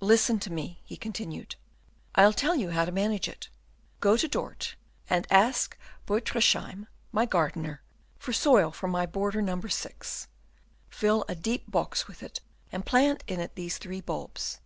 "Listen to me," he continued: "I'll tell you how to manage it. Go to Dort and ask Butruysheim, my gardener, for soil from my border number six, fill a deep box with it, and plant in it these three bulbs.